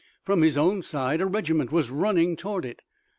From his own side a regiment was running toward it.